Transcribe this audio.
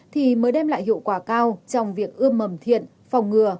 thì mới đem lại hiệu quả cao trong việc ươm mầm thiện phòng ngừa